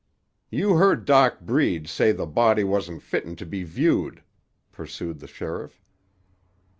"You heard Doc Breed say the body wasn't fitten to be viewed," pursued the sheriff.